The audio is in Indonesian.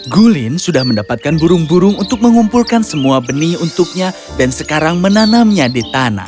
gulin sudah mendapatkan burung burung untuk mengumpulkan semua benih untuknya dan sekarang menanamnya di tanah